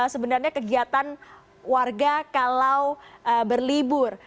sebenarnya kegiatan warga kalau berlibur